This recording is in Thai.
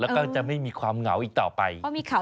แล้วก็จะไม่มีความเหงาอีกต่อไป